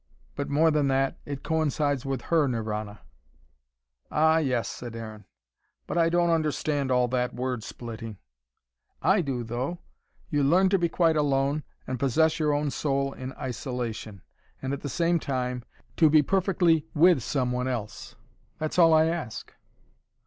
But more than that. It coincides with her Nirvana." "Ah, yes," said Aaron. "But I don't understand all that word splitting." "I do, though. You learn to be quite alone, and possess your own soul in isolation and at the same time, to be perfectly WITH someone else that's all I ask."